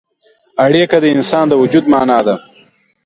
اړیکه د انسان د وجود معنا ده.